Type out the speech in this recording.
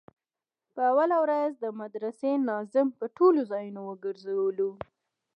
په اوله ورځ د مدرسې ناظم پر ټولو ځايونو وگرځولو.